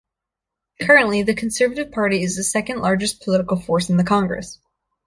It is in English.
Currently, the Conservative Party is the second largest political force in the congress.